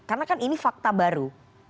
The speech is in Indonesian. karena kan ini fakta baru